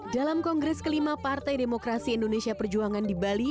dalam kongres kelima partai demokrasi indonesia perjuangan di bali